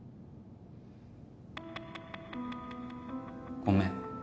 ごめん。